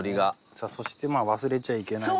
さあそして忘れちゃいけないのが。